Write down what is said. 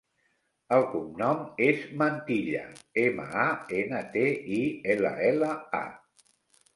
El cognom és Mantilla: ema, a, ena, te, i, ela, ela, a.